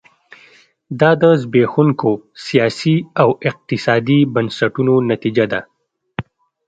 دا د زبېښونکو سیاسي او اقتصادي بنسټونو نتیجه ده.